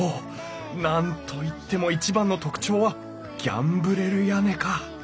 何と言っても一番の特徴はギャンブレル屋根か。